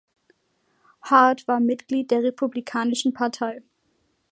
Hart war Mitglied der Republikanischen Partei.